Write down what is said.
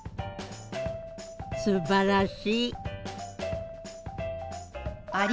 すばらしい。